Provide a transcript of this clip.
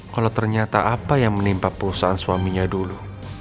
kalau ternyata apa yang menimpa perusahaan suaminya dulu